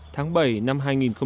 tháng bảy năm hai nghìn một mươi sáu